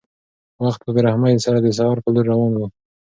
وخت په بې رحمۍ سره د سهار په لور روان و.